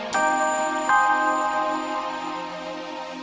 patah kayak gila kamu